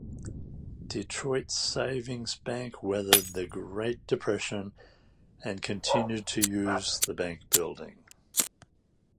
Detroit Savings Bank weathered the Great Depression and continued to use the bank building.